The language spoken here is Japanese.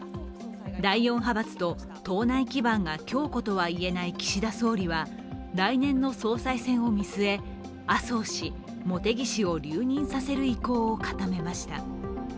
第４派閥と党内基盤が強固とはいえない岸田総理は来年の総裁選を見据え、麻生氏、茂木氏を留任させる意向を固めました。